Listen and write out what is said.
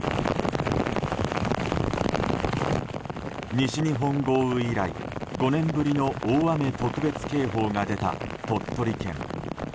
西日本豪雨以来５年ぶりの大雨特別警報が出た鳥取県。